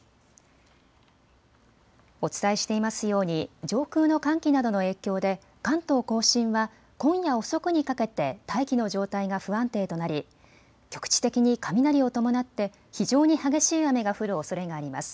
お伝えしていますように上空の寒気などの影響で関東甲信は今夜遅くにかけて大気の状態が不安定となり局地的に雷を伴って非常に激しい雨が降るおそれがあります。